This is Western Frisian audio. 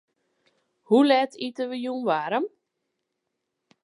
Hoe let ite wy jûn waarm?